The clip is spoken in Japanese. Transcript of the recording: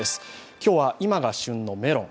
今日は今が旬のメロン。